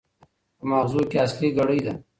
په ماغزو کې اصلي ګړۍ ده.